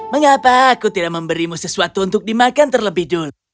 mengapa aku tidak memberimu sesuatu untuk dimakan terlebih dulu